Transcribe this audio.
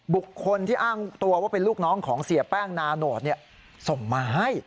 บุคคลที่อ้างตัวว่าเป็นลูกน้องของเสียแป้งนาโนตส่งมาให้